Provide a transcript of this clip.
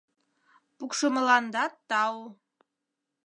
Пукшымыландат тау!